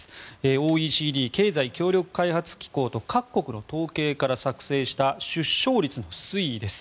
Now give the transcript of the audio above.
ＯＥＣＤ・経済協力開発機構と各国の統計から作成した出生率の推移です。